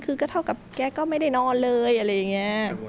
คือก็เท่ากับแกก็ไม่ได้นอนเลยอะไรอย่างนี้